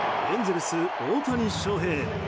エンゼルス、大谷翔平。